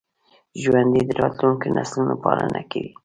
ژوندي د راتلونکو نسلونو پالنه کوي